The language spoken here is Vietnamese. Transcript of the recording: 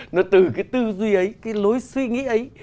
nó từ cái tư duy ấy cái lối suy nghĩ ấy